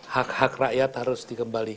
hak hak rakyat harus dikembalikan